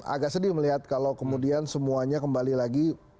agak sedih melihat kalau kemudian semuanya kembali lagi